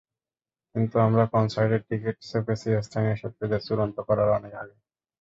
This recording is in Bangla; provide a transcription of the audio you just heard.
কিন্তু আমরা কনসার্টের টিকিট ছেপেছি স্থানীয় শিল্পীদের চূড়ান্ত করার অনেক আগে।